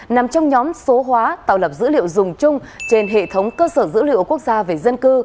nằm trong nhóm số hóa tạo lập dữ liệu dùng chung trên hệ thống cơ sở dữ liệu quốc gia về dân cư